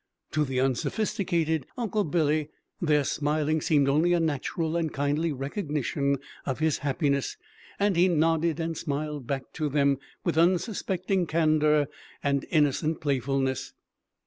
To the unsophisticated Uncle Billy their smiling seemed only a natural and kindly recognition of his happiness, and he nodded and smiled back to them with unsuspecting candor and innocent playfulness.